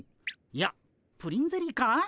いやプリンゼリーか？